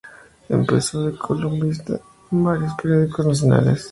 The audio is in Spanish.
Empezó de columnista en varios periódicos nacionales.